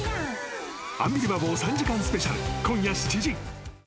「アンビリバボー」３時間スペシャル、今日７時。